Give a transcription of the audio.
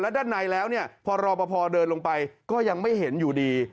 ด้านในแล้วเนี่ยพอรอปภเดินลงไปก็ยังไม่เห็นอยู่ดี